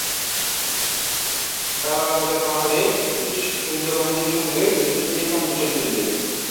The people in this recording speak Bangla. জালালাবাদ পাহাড়ে ব্রিটিশ সৈন্যবাহিনীর সংগে যুদ্ধে তিনি প্রাণ বিসর্জন দেন।